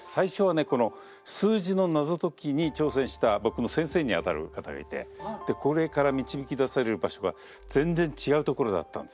この数字の謎解きに挑戦した僕の先生にあたる方がいてこれから導き出せる場所が全然違う所だったんですよ。